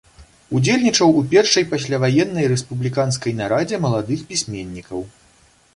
Удзельнічаў у першай пасляваеннай рэспубліканскай нарадзе маладых пісьменнікаў.